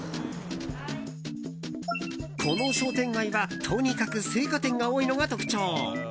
この商店街はとにかく青果店が多いのが特徴。